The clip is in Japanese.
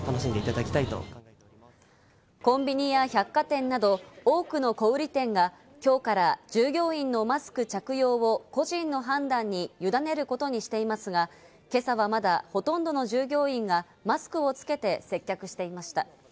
コンビニや百貨店など、多くの小売店が今日から従業員のマスク着用を個人の判断にゆだねることにしていますが、今朝はまだ、ほとんどの従業員がマスクをつけて接客していました。